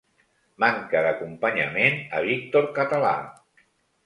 Manca d'acompanyament a Víctor Català.